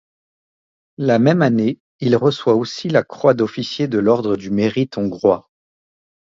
La même année, il reçoit aussi la croix d'officier de l'ordre du mérite hongrois.